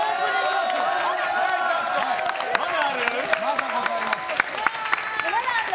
まだあるの？